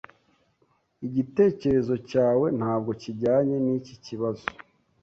Igitekerezo cyawe ntabwo kijyanye niki kibazo.